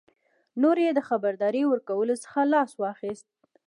نور یې د خبرداري ورکولو څخه لاس واخیست.